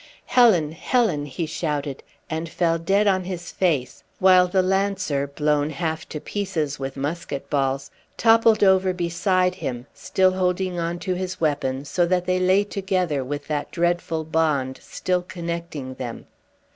"Helen! Helen!" he shouted, and fell dead on his face, while the lancer, blown half to pieces with musket balls, toppled over beside him, still holding on to his weapon, so that they lay together with that dreadful bond still connecting them.